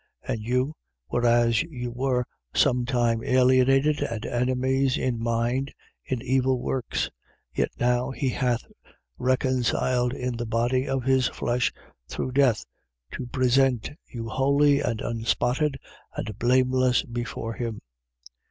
1:21. And you, whereas you were some time alienated and enemies in mind in evil works: 1:22. Yet now he hath reconciled in the body of his flesh through death, to present you holy and unspotted and blameless before him: 1:23.